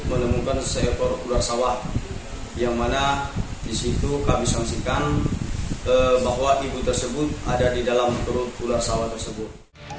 menemukan seekor ular sawah yang mana di situ kami saksikan bahwa ibu tersebut ada di dalam perut ular sawah tersebut